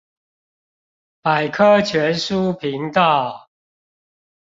百科全書頻道